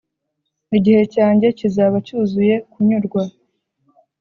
igihe cyanjye kizaba cyuzuye kunyurwa,